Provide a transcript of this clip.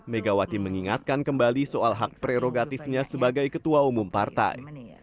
megawati mengingatkan kembali soal hak prerogatifnya sebagai ketua umum partai